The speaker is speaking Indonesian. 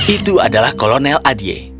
itu adalah kolonel adie